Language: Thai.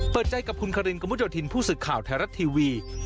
เปิดใจกับคุณครินกมุโจทินผู้สึกข่าวทารัททีวี